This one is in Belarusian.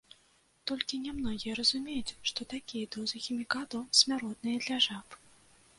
Толькі нямногія разумеюць, што такія дозы хімікатаў смяротныя для жаб.